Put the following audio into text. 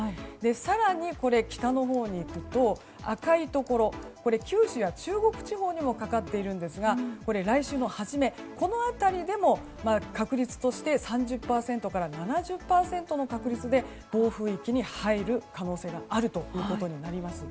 更に北のほうにいくと赤いところ九州は中国地方にもかかっているんですが来週のはじめこの辺りでも確率として３０％から７０％の確率で暴風域に入る可能性があることになります。